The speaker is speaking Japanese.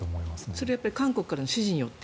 それは韓国からの指示によって？